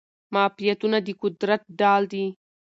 معافیتونه د قدرت ډال دي.